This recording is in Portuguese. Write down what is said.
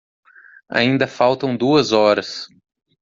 Ainda faltam duas horas